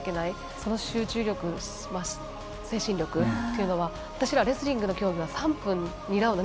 その集中力、精神力というのは私らレスリングの競技は３分２ラウンド。